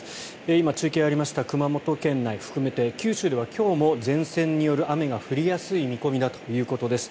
今、中継がありました熊本県内含めて九州では今日も前線による雨が降りやすい見込みだということです。